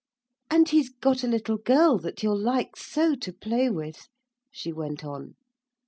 'And he's got a little girl that you'll like so to play with,' she went on.